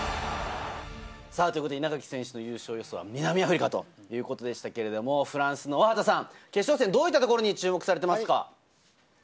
稲垣選手の優勝予想は南アフリカということでしたけれども、フランスの大畑さん、決勝戦、どういったところに注目されてますか？